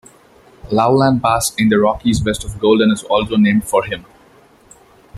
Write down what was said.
Loveland Pass in the Rockies west of Golden is also named for him.